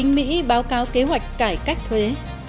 tình mỹ báo cáo kế hoạch cải cách thuế